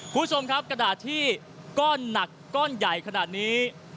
คุณผู้ชมครับกระดาษที่ก้อนหนักก้อนใหญ่ขนาดนี้